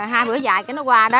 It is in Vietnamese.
hai bữa dài nó qua